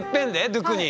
ドゥクニ？